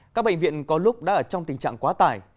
các bệnh viện có lúc đã ở trong tình trạng quá tải